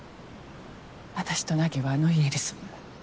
私と凪はあの家に住む。